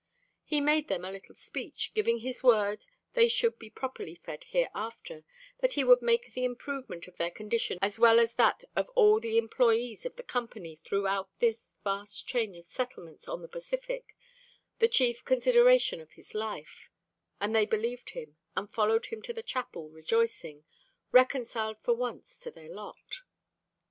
He made them a little speech, giving his word they should be properly fed hereafter, that he would make the improvement of their condition as well as that of all the employees of the Company throughout this vast chain of settlements on the Pacific, the chief consideration of his life; and they believed him and followed him to the chapel rejoicing, reconciled for once to their lot.